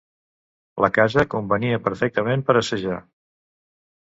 La casa convenia perfectament per assajar.